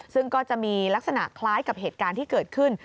ซึ่งก็จะมีลักษณะคล้ายกับเหตุการณ์ที่เกิดขึ้น